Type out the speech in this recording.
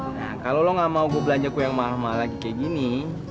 nah kalau lo gak mau gue belanja ku yang mahal mahal lagi kayak gini